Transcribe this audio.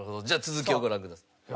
じゃあ続きをご覧ください。